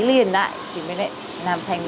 liền lại thì mới lại làm thành